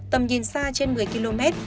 tầm nhìn xa trên một mươi km